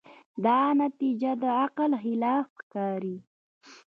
دا نتیجه د عقل خلاف ښکاري.